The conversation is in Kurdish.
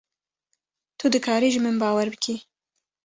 Tu dikarî ji min bawer bikî.